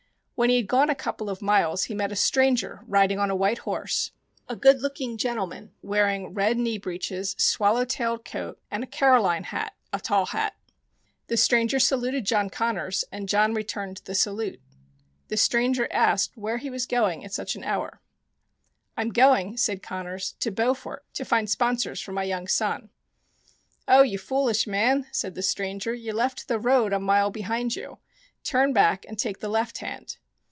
When he had gone a couple of miles he met a stranger riding on a white horse, a good looking gentleman wear ing red knee breeches, swallow tailed coat, and a Caroline hat (a tall hat). The stranger saluted John Connors, and John returned the salute. The stranger asked where was he going at such an hour. "Fm going," said Connors, "to Beaufort to find sponsors for my young son." "Oh, you foolish man," said the stianger; "you left the road a mile behind you. Turn back and take the left hand."